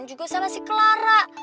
juga sama si clara